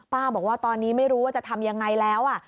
บอกว่าตอนนี้ไม่รู้ว่าจะทำยังไงแล้ว